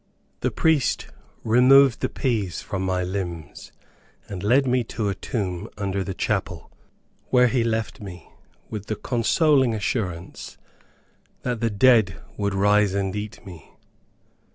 The priest removed the peas from my limbs, and led me to a tomb under the chapel, where he left me, with the consoling assurance that "THE DEAD WOULD RISE AND EAT ME!"